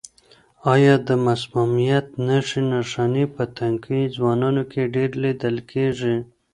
آیا د مسمومیت نښې نښانې په تنکیو ځوانانو کې ډېرې لیدل کیږي؟